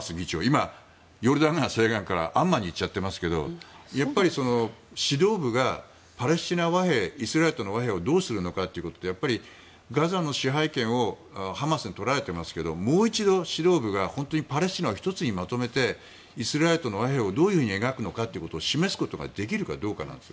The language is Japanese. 今、ヨルダン川西岸からアンマンに行っちゃってますがやっぱり、指導部がパレスチナ和平イスラエルとの和平をどうするのかっていうことでガザの支配権をハマスに取られていますがもう一度指導部が本当にパレスチナを１つにまとめてイスラエルとの和平をどう描くかということを示すことができるかどうかなんです。